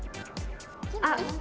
あっ。